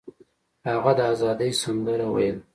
هغه د ازادۍ سندره ویله.